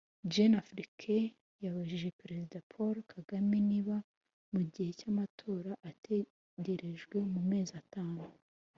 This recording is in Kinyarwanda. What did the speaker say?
JeuneAfrique yabajije Perezida Paul Kagame niba mu gihe cy’amatora ategerejwe mu mezi atanu